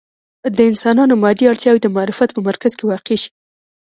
د انسانانو مادي اړتیاوې د معرفت په مرکز کې واقع شي.